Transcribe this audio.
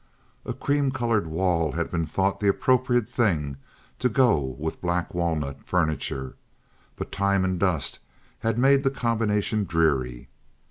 A cream colored wall had been thought the appropriate thing to go with black walnut furniture, but time and dust had made the combination dreary.